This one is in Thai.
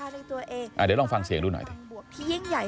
เดี๋ยวลองฟังเสียงดูหน่อย